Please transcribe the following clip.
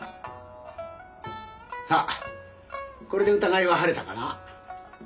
さあこれで疑いは晴れたかな？